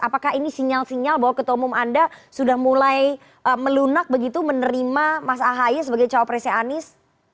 apakah ini sinyal sinyal bahwa ketua umum anda sudah mulai melunak begitu menerima mas ahaye sebagai cawapresnya anies